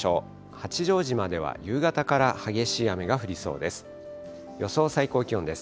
八丈島では夕方から激しい雨が降りそうです。